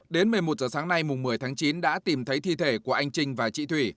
đến một mươi một giờ sáng nay mùng một mươi tháng chín đã tìm thấy thi thể của anh trinh và chị thủy